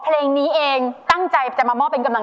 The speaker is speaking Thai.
ช่วยฝังดินหรือกว่า